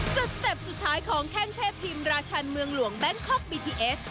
สเต็ปสุดท้ายของแข้งเทพทีมราชันเมืองหลวงแบงคอกบีทีเอส